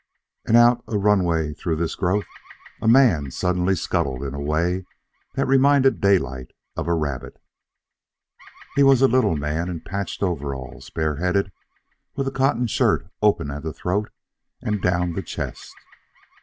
And out a runway through this growth a man suddenly scuttled in a way that reminded Daylight of a rabbit. He was a little man, in patched overalls; bareheaded, with a cotton shirt open at the throat and down the chest.